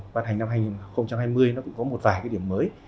ban hành năm hai nghìn hai mươi nó cũng có một vài cái điểm mới